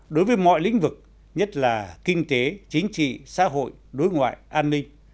đối với mọi lĩnh vực nhất là kinh tế chính trị xã hội đối ngoại an ninh